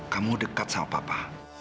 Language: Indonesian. kamu dekat sama papa